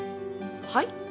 はい？